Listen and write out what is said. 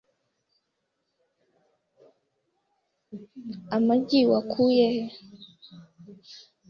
Amagi wakuye he?